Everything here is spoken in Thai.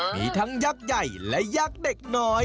มีทั้งยักษ์ใหญ่และยักษ์เด็กน้อย